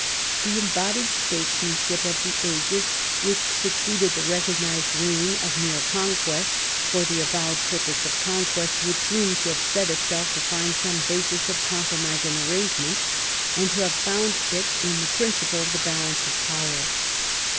The embodied statesmanship of the ages which succeeded the recog nized reign of mere conquest for the avowed purpose of conquest would seem to have set itself to find some basis of compromise and arrangement, and to have found it in the principle of the balance of power.